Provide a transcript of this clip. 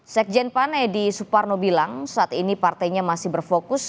sekjen pan edi suparno bilang saat ini partainya masih berfokus